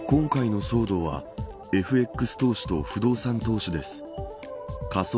今回の騒動はＦＸ投資と不動産投資です。